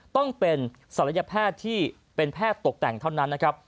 ต้องเป็นศัลยแพทย์ที่เป็นแพทย์ตกแต่งเท่านั้นนะครับ